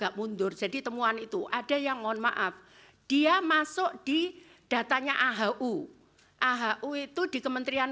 enggak mundur jadi temuan itu ada yang mohon maaf dia masuk di datanya ahu ahu itu di kementerian